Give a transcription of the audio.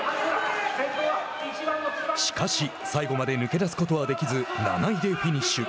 しかし、最後まで抜け出すことはできず７位でフィニッシュ。